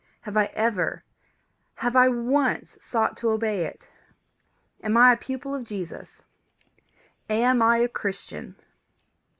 Have I ever, have I once sought to obey it? Am I a pupil of Jesus? Am I a Christian?